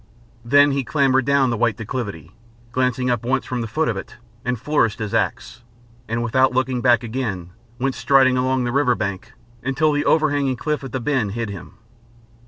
Then he clambered down the white declivity, glanced up once from the foot of it and flourished his axe, and without looking back again went striding along the river bank until the overhanging cliff at the bend hid him.